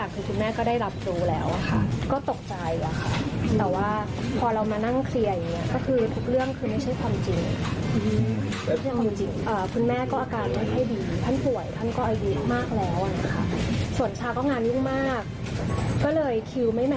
คุณแม่ทุกอย่างคือทุกอย่างคือคุณแม่ก็ได้รับรู้แล้วอ่ะค่ะ